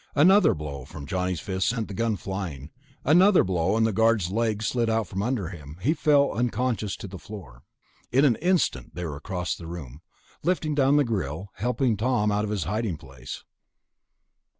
Another blow from Johnny's fist sent the gun flying. Another blow, and the guard's legs slid out from under him. He fell unconscious to the floor. In an instant they were across the room, lifting down the grill, helping Tom out of his hiding place.